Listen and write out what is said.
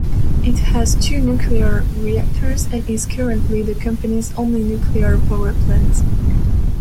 It has two nuclear reactors and is currently the company's only nuclear power plant.